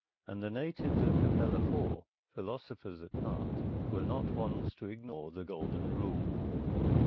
And the natives of Capella IV, philosophers at heart, were not ones to ignore the Golden Rule....